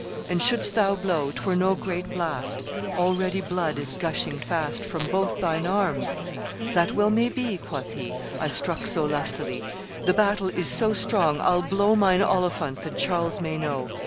And shouldst thou blow, 'twere no great blast; Already blood is gushing fast From both thine arms.' 'That well may be,' Quoth he, 'I struck so lustily! The battle is too strong: I'll blow Mine Olifant, that Charles may know.